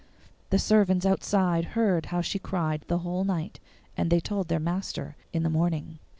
The servants outside heard how she cried the whole night, and they told their master in the morning.